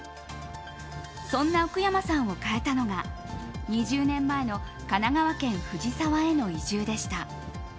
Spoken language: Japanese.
そんな奥山さんを変えたのが２０年前の神奈川県藤沢への移住でした。